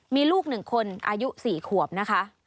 มีลูกหนึ่งคนอายุ๔ขวบนะคะ